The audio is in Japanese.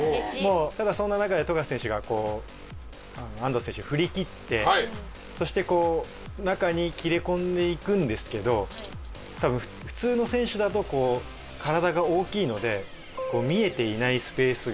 ただそんな中で富樫選手が安藤選手を振り切ってそしてこう中に切り込んでいくんですけど多分普通の選手だとこう体が大きいので見えていないスペースが。